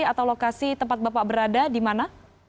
atau lokasi tempat bapak berada di mana